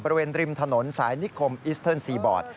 บริเวณริมถนนสายนิคมอิสเทิร์นซีบอร์ด